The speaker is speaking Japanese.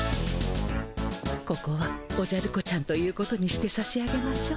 ここはおじゃる子ちゃんということにしてさしあげましょう。